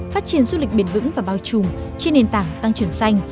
hai phát triển du lịch biển vững và bao trùm trên nền tảng tăng trưởng xanh